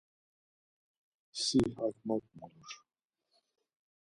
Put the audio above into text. Si hak mot mulur!